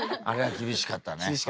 厳しかった。